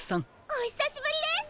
おひさしぶりです！